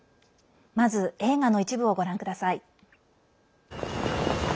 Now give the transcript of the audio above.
まず、映画の一部をご覧ください。